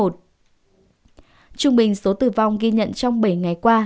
trung bình số tử vong ghi nhận trong bảy ngày qua tám mươi một ca